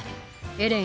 エレン